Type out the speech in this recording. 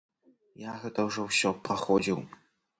Я гэта ўжо ўсё праходзіў!